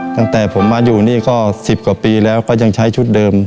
ตั้งแต่ผมมาอยู่นี่ก็๑๐กว่าปีแล้วก็ยังใช้ชุดเดิม